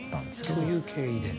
そういう経緯で。